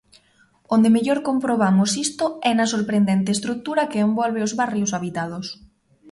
Onde mellor comprobamos isto é na sorprendente estrutura que envolve os barrios habitados.